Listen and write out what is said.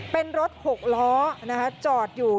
เป็นรถ๖ล้อจอดอยู่